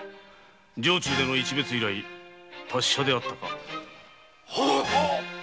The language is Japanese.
城中での一瞥以来達者であったか。